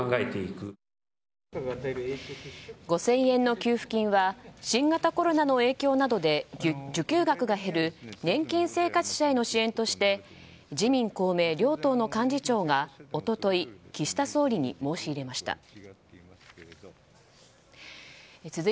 ５０００円の給付金は新型コロナの影響などで受給額が減る年金生活者への支援として自民・公明両党の幹事長が一昨日岸田総理に申し入れました。